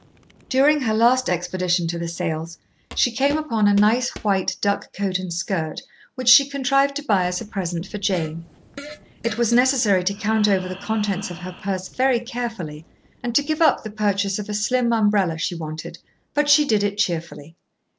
During her last expedition to the sales she came upon a nice white duck coat and skirt which she contrived to buy as a present for Jane. It was necessary to count over the contents of her purse very carefully and to give up the purchase of a slim umbrella she wanted, but she did it cheerfully.